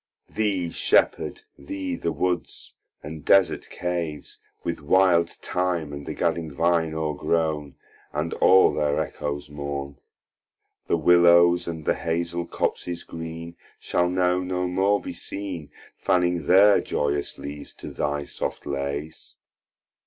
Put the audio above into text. Thee Shepherd, thee the Woods, and desert Caves, With wilde Thyme and the gadding Vine o'regrown, And all their echoes mourn. The Willows, and the Hazle Copses green, Shall now no more be seen, Fanning their joyous Leaves to thy soft layes.